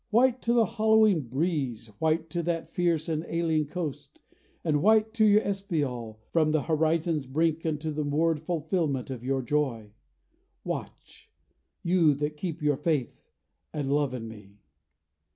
white to the hollowing breeze, White to that fierce and alien coast, and white To your espial, from the horizon's brink Unto the moored fulfilment of your joy. Watch: you that keep your faith and love in me.